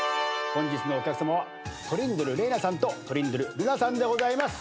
本日のお客さまはトリンドル玲奈さんとトリンドル瑠奈さんでございます。